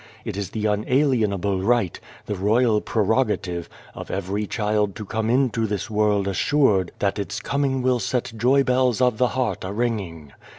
It is the unalienable right, the royal prerogative, of every child to come into this world assured that its coming will set joybells of the heart a ringing.